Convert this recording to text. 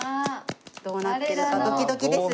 どうなってるかドキドキですね。